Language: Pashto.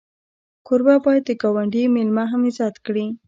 کوربه باید د ګاونډي میلمه هم عزت کړي.